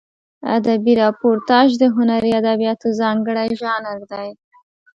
ادبي راپورتاژ د هنري ادبیاتو ځانګړی ژانر دی.